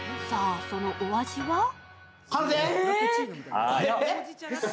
さぁ、そのお味は？